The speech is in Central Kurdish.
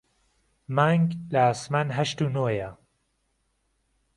مانگ لە ئاسمان هەشت و نۆیە